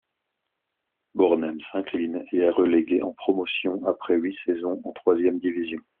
Bornem s'incline, et est relégué en Promotion après huit saisons en troisième division.